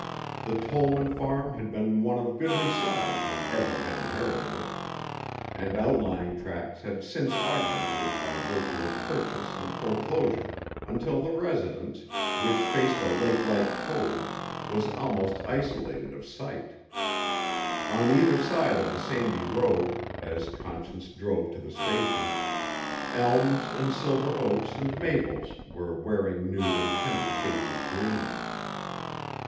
The Tollman farm had been one of goodly size when Eben had inherited it and outlying tracts had since augmented it by virtue of purchase and foreclosure, until the residence, which faced a lake like cove, was almost isolated of site. On either side of the sandy road, as Conscience drove to the station, elms and silver oaks and maples were wearing new and tender shades of green.